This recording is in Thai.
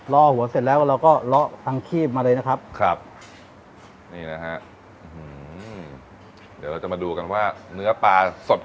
ล่อหัวเสร็จแล้วเราก็ล่อทางขี้มาเลยนะครับ